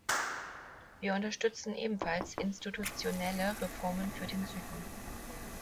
Wir unterstützen ebenfalls institutionelle Reformen für den Süden.